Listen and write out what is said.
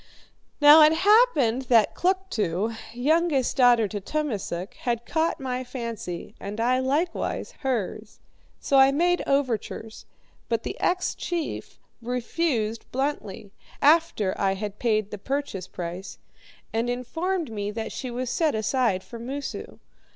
"Now, it happened that Kluktu, youngest daughter to Tummasook, had caught my fancy, and I likewise hers. So I made overtures, but the ex chief refused bluntly after I had paid the purchase price and informed me that she was set aside for Moosu.